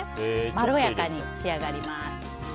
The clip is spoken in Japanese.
まろやかに仕上がります。